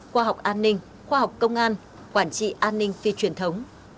khoa học an ninh khoa học công an quản trị an ninh phi truyền thống